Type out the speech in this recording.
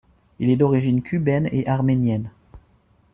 Il est d'origine cubaine et arménienne.